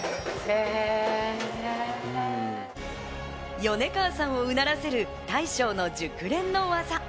米川さんをうならせる大将の熟練の技。